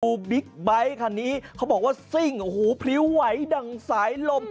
บิ๊กไบท์คันนี้เขาบอกว่าซิ่งโอ้โหพริ้วไหวดั่งสายลม